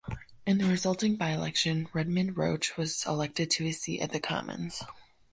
In the resulting byelection Redmond Roche was elected to his seat at the Commons.